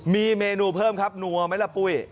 มีเมนูเพิ่มครับนัวไหมล่ะปุ้ย